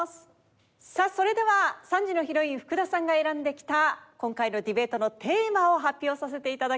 さあそれでは３時のヒロイン福田さんが選んできた今回のディベートのテーマを発表させて頂きます。